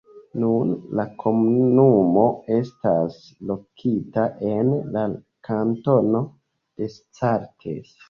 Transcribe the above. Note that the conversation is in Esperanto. Nun, la komunumo estas lokita en la kantono Descartes.